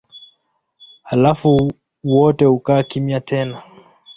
Halafu wote hukaa kimya tena.